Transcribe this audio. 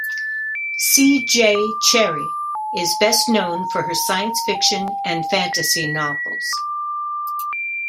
C. J. Cherryh is best known for her science fiction and fantasy novels.